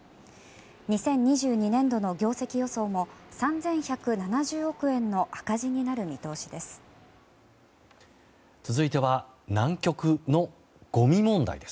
２０２２年度の業績予想も３１７０億円の赤字になる見通しです。